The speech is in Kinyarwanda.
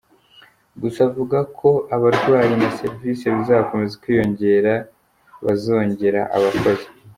Gusa avuga ko uko abarwayi na serivisi bizakomeza kwiyongera bazongera abakozi.